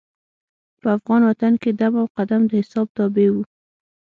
په افغان وطن کې دم او قدم د حساب تابع وو.